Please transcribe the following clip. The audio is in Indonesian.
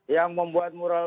yang membuat mural